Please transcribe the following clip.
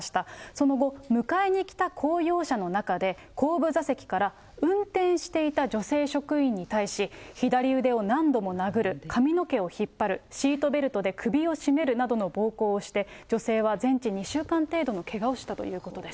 その後、迎えに来た公用車の中で、後部座席から運転していた女性職員に対し、左腕を何度も殴る、髪の毛を引っ張る、シートベルトで首を絞めるなどの暴行をして、女性は全治２週間程度のけがをしたということです。